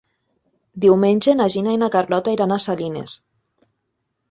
Diumenge na Gina i na Carlota iran a Salines.